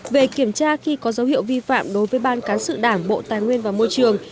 một về kiểm tra khi có dấu hiệu vi phạm đối với ban cán sự đảng bộ tài nguyên và môi trường